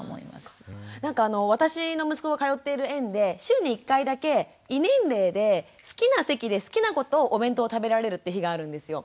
なんか私の息子が通っている園で週に１回だけ異年齢で好きな席で好きな子とお弁当を食べられるって日があるんですよ。